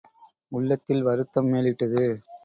உள்ளத்தில் வருத்தம் மேலிட்டது.